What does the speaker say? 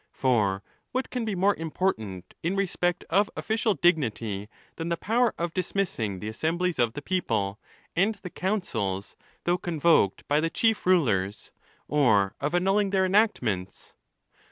For what can be more important in respect of official dignity, than the power of dismissing the assemblies of the people, and the councils, though convoked by the chief rulers, or of annulling their enactments?